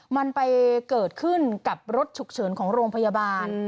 มันไปเกิดขึ้นกับรถฉุกเฉินของโรงพยาบาล